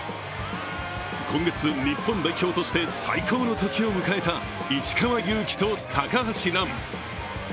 今月、日本代表として最高の時を迎えた石川祐希と高橋藍。